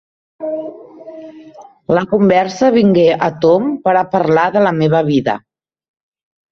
La conversa vingué a tomb per a parlar de la meva vida.